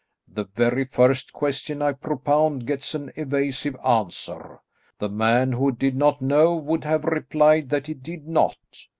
The very first question I propound gets an evasive answer. The man who did not know would have replied that he did not.